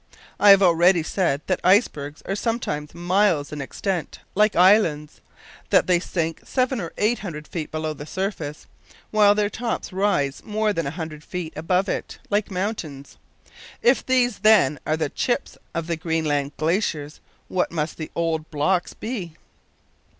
I have already said that ice bergs are sometimes miles in extent like islands; that they sink seven or eight hundred feet below the surface, while their tops rise more than a hundred feet above it like mountains. If these, then, are the "chips" of the Greenland glaciers, what must the "old blocks" be?